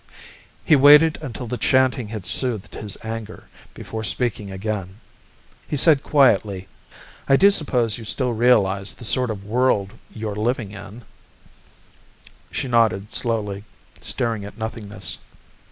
He waited until the chanting had soothed his anger, before speaking again. He said quietly, "I do suppose you still realize the sort of world you're living in?" She nodded slowly, staring at nothingness.